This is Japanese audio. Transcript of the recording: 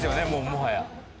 もはや。